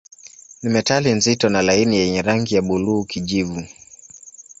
Ni metali nzito na laini yenye rangi ya buluu-kijivu.